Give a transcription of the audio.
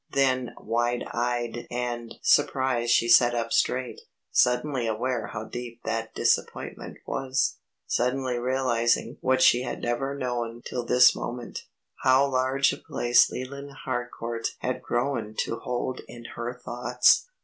Then wide eyed and surprised she sat up straight, suddenly aware how deep that disappointment was; suddenly realizing what she had never known till this moment, how large a place Leland Harcourt had grown to hold in her thoughts.